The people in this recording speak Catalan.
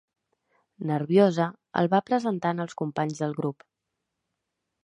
Nerviosa, el va presentant als companys del grup.